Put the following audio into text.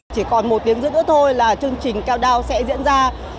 chỉ còn một tiếng giữa nữa thôi là chương trình cao đao sẽ diễn ra